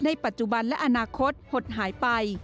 ปัจจุบันและอนาคตหดหายไป